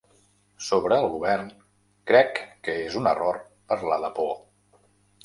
Sobre el govern, crec que és un error parlar de por.